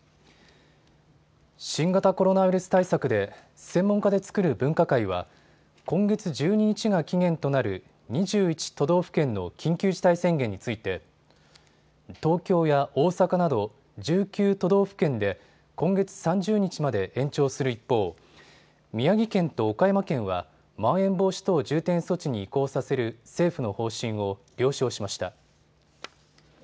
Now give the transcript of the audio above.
新型コロナウイルス対策で専門家で作る分科会は今月１２日が期限となる２１都道府県の緊急事態宣言について東京や大阪など１９都道府県で今月３０日まで延長する一方、宮城県と岡山県はまん延防止等重点措置に移行させる政府の方針を了承しました。